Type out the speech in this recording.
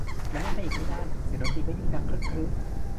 เมื่อแล่นไปอีกไม่นานเสียงดนตรีก็ยิ่งดังครึกครื้น